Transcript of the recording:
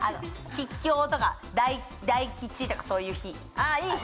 吉凶とか大吉とかそういう日。